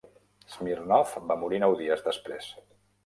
Smirnov va morir nou dies després.